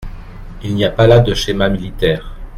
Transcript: Il n’y a pas là de schéma militaire.